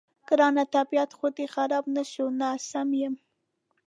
ګرانه، طبیعت خو دې خراب نه شو؟ نه، سم یم.